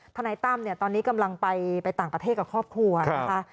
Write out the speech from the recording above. นายตั้มเนี่ยตอนนี้กำลังไปต่างประเทศกับครอบครัวนะคะ